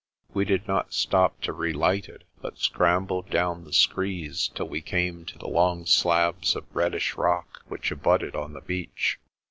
We did not stop to relight it, but scrambled down the screes till we came to the long slabs of reddish rock which abutted on the beach.